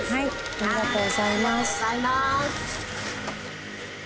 ありがとうございます。